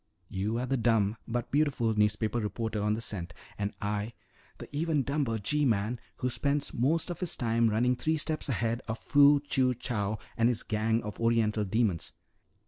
You are the dumb but beautiful newspaper reporter on the scent, and I " "The even dumber G man who spends most of his time running three steps ahead of Fu Chew Chow and his gang of oriental demons.